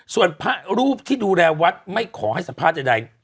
ส่วนพระรูปที่ดูแลวัดไม่ขอให้สัมภาษณ์ใด